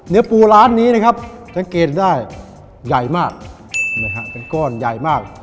ปูร้านนี้นะครับสังเกตได้ใหญ่มากเป็นก้อนใหญ่มาก